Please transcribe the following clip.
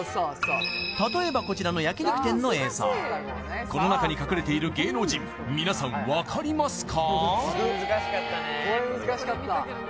例えばこちらの焼き肉店の映像この中に隠れている芸能人皆さん分かりますか？